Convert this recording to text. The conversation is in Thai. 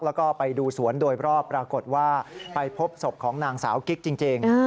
แล้วก็ไปดูสวนโดยรอบปรากฏว่าไปพบศพของนางสาวกิ๊กจริง